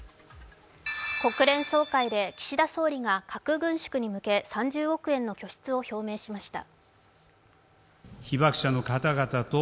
国連総会で岸田総理が核軍縮に向け３０億円の拠出を表明しました。